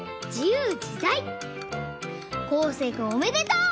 こうせいくんおめでとう！